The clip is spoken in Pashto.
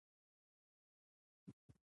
عبدالحمید مومند یو نازکخیاله پښتو شاعر دی.